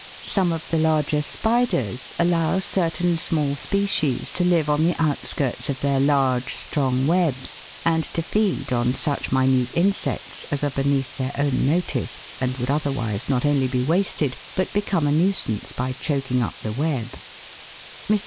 Some of the larger spiders allow certain small species to live on the outskirts of their large, strong webs, and to. feed on such minute ,.. Fig. 42. WORKER insects as are beneath their own notice, WOOD ANT. and would otherwise not only be wasted, but become a nuisance by choking up the web. Mr.